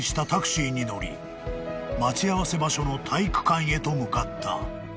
［待ち合わせ場所の体育館へと向かった］